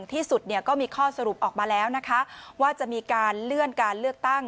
ที่สุดเนี่ยก็มีข้อสรุปออกมาแล้วนะคะว่าจะมีการเลื่อนการเลือกตั้ง